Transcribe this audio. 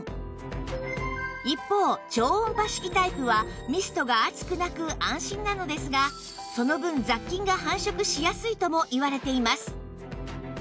一方超音波式タイプはミストが熱くなく安心なのですがその分雑菌が繁殖しやすいともいわれています